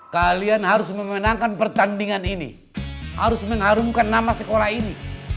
kalian harus memenangkan pertandingan ini harus mengharumkan nama sekolah ini